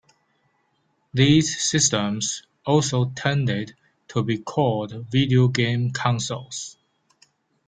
These systems also tended to be called video-game consoles.